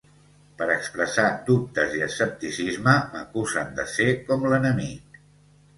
Per expressar dubtes i escepticisme, m’acusen de ser com l’enemic.